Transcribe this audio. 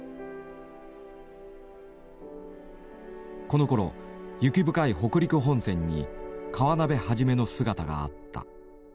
このころ雪深い北陸本線に河辺一の姿があった。